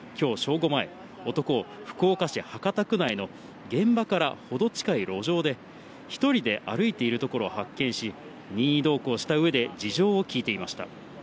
午前、男を福岡市博多区内の現場から程近い路上で、１人で歩いているところを発見し、任意同行したうえで事情を聴いていました。